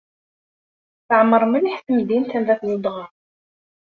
Teɛmer mliḥ temdint anda tzedɣeḍ?